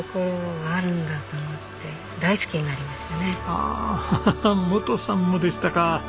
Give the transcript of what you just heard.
ああ本さんもでしたか。